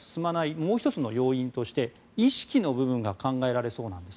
もう１つの要因として意識の部分が考えられそうなんです。